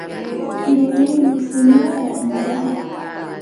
Ndu wiʼi : bisimilla en njaha.